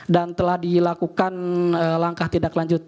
dan telah dilakukan langkah tidak lanjut